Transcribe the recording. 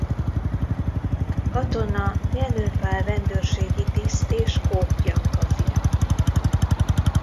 Katona Jenő Pál rendőrségi tiszt és Koch Janka fia.